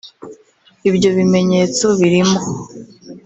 ibyo bimenyetso birimo